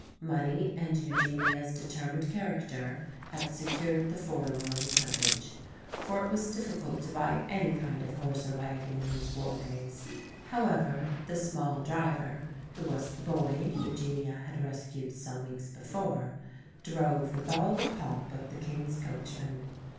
Money and Eugenia's determined character had secured the forlorn equipage. For it was difficult to buy any kind of horse or wagon in these war days. However, the small driver, who was the boy Eugenia had rescued some weeks before, drove with all the pomp of the king's coachman.